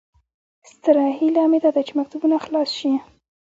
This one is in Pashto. ستره هیله مې داده چې مکتبونه خلاص شي